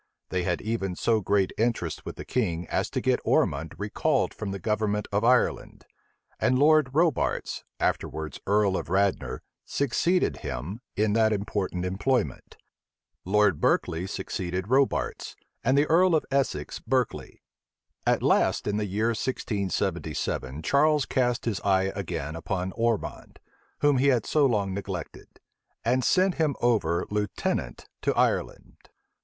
They had even so great interest with the king as to get Ormond recalled from the government of Ireland; and Lord Robarts, afterwards earl of Radnor, succeeded him in that important employment. Lord Berkeley succeeded Robarts; and the earl of Essex, Berkeley. At last, in the year 1677 Charles cast his eye again upon Ormond, whom he had so long neglected; and sent him over lieutenant to Ireland.